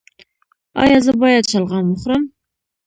ایا زه باید شلغم وخورم؟